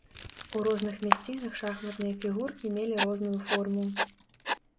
У розных мясцінах шахматныя фігуркі мелі розную форму.